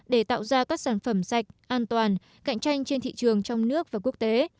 để tạo ra các sản phẩm sạch an toàn cạnh tranh trên thị trường trong nước và quốc tế